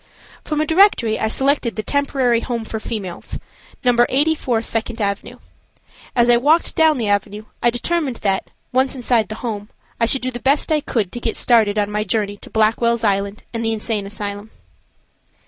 From a directory I selected the Temporary Home for Females, No. 84 Second Avenue. As I walked down the avenue, I determined that, once inside the Home, I should do the best I could to get started on my journey to Blackwell's Island and the Insane Asylum.